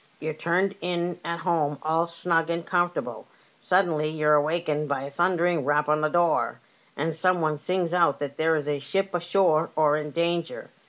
You're turned in at home all snug and comfortable. Suddenly you're awakened by a thundering rap on the door, and some one sings out that there is a ship ashore or in danger.